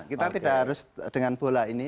kita tidak harus dengan bola ini